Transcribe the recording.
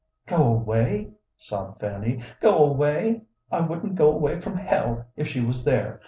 "Go away?" sobbed Fanny "go away? I wouldn't go away from hell if she was there.